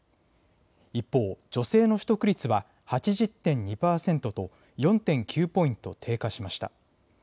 一方、女性の取得率は８０．２％と４．９ポイント低下しました。